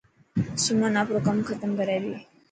سمن آپرو ڪم ختم ڪري تي.